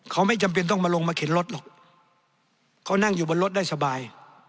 เขาไม่จำเป็นต้องมาลงมาเข็นรถหรอกเขานั่งอยู่บนรถได้สบาย